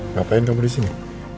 ngapain kamu disini